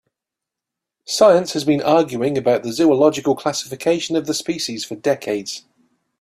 Science has been arguing about the zoological classification of the species for decades.